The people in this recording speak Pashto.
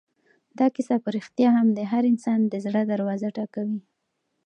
دا کیسه په رښتیا هم د هر انسان د زړه دروازه ټکوي.